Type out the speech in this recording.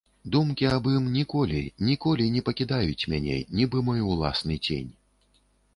Думкі аб ім ніколі, ніколі не пакідаюць мяне, нібы мой уласны цень.